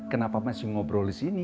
kenapa masih ngobrol disini